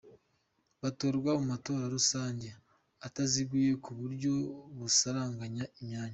Batorwa mu matora rusange ataziguye ku buryo busaranganya imyanya.